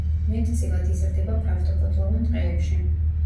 მეტწილად იზრდება ფართოფოთლოვან ტყეებში.